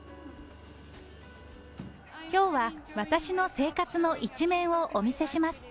きょうは私の生活の一面をお見せします。